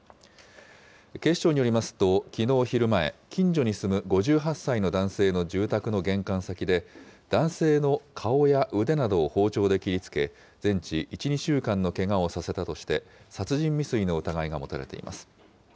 警視庁によりますときのう昼前、近所に住む５８歳の男性の住宅の玄関先で、男性の顔や腕などを包丁で切りつけ、全治１、２週間のけがをさせたとして、殺人未遂の疑いが持たれています。